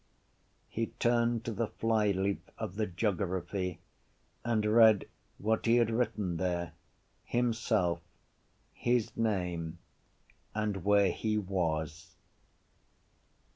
He turned to the flyleaf of the geography and read what he had written there: himself, his name and where he was.